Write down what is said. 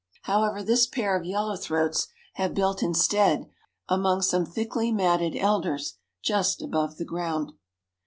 However, this pair of yellow throats have built instead, among some thickly matted Elders, just above the ground.